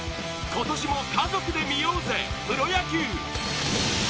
今年も「家族で観ようぜプロ野球」